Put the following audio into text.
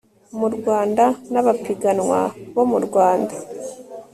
mu Rwanda n abapiganwa bo mu Rwanda